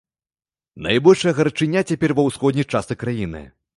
Найбольшая гарачыня цяпер ва ўсходняй частцы краіны.